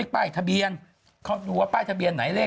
เปรี้ยงยางอะไรอย่างนี้